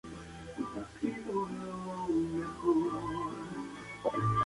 Su primer comandante en jefe fue el general Fedor von Bock.